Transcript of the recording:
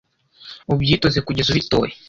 ubyitoze kugeza ubitoye